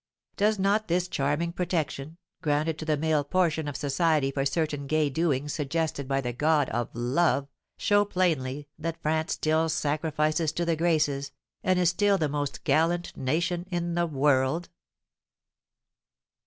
Does not this charming protection, granted to the male portion of society for certain gay doings suggested by the god of Love, show plainly that France still sacrifices to the Graces, and is still the most gallant nation in the world?"